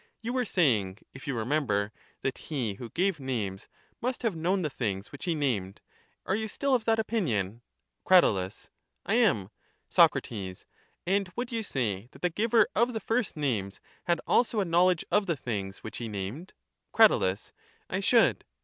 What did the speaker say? You were saying, if you remember, that he who gave names must have known the things which he named ; are you still of that opinion? Crat. I am. Soc. And would you say that the giver of the first names had also a knowledge of the things which he named? Crat. I should.